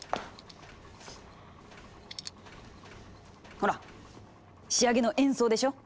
ほら仕上げの演奏でしょ！